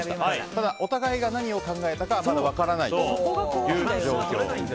ただ、お互いが何を考えたかまだ分からない状況です。